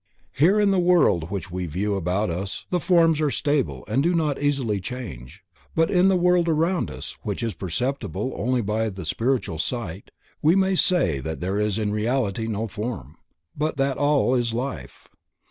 Here in the world which we view about us the forms are stable and do not easily change, but in the world around us which is perceptible only by the spiritual sight, we may say that there is in reality no form, but that all is life.